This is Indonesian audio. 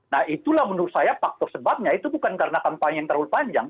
nah itulah menurut saya faktor sebabnya itu bukan karena kampanye yang terlalu panjang